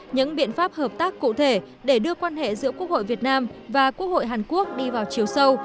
những biện pháp hợp tác cụ thể để đưa quan hệ giữa quốc hội việt nam và quốc hội hàn quốc đi vào chiều sâu